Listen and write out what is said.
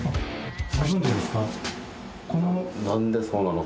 ご存じですか？